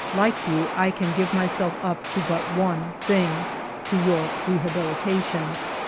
Like you, I can give myself up to but one thing, to your rehabilitation.